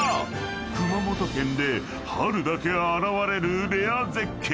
［熊本県で春だけ現れるレア絶景］